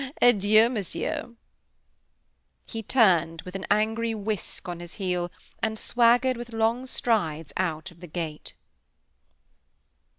Adieu, Monsieur!" He turned with an angry whisk on his heel, and swaggered with long strides out of the gate.